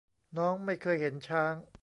น้องไม่เคยเห็นช้าง